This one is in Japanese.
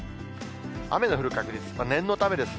雨の降る確率、念のためです。